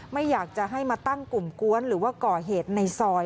ไม่อยากจะให้มาตั้งกลุ่มกวนหรือว่าก่อเหตุในซอย